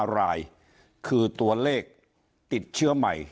รายคือตัวเลขติดเชื้อใหม่